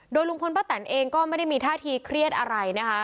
ลุงพลป้าแตนเองก็ไม่ได้มีท่าทีเครียดอะไรนะคะ